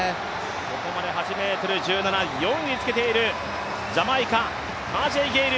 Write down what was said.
ここまで８ｍ１７、４位につけているジャマイカ、タージェイ・ゲイル。